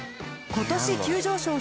今年急上昇？